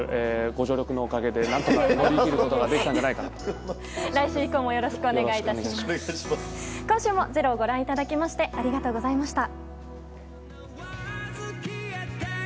今週も「ｚｅｒｏ」をご覧いただきましてありがとうございました。